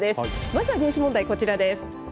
まずは入試問題、こちらです。